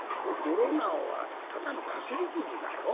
師直はただのかすり傷だよ。